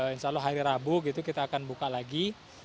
insya allah hari rabu gitu kita akan buka lagi